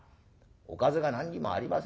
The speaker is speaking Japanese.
『おかずが何にもありません』？